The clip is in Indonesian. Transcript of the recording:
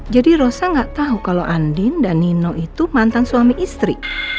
jadi rosa gak tau kalo andin dan nino itu mantan suami istri